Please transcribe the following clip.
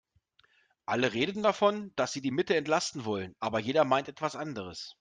Alle reden davon, dass sie die Mitte entlasten wollen, aber jeder meint etwas anderes.